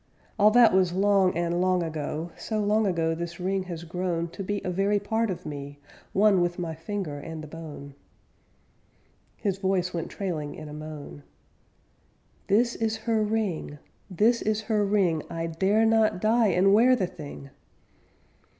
_ All that was long and long ago, So long ago this ring has grown To be a very part of me, One with my finger and the bone:' His voice went trailing in a moan. _'This is her ring _ This is her ring! _I dare not die and wear the thing!'